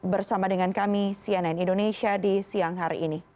bersama dengan kami cnn indonesia di siang hari ini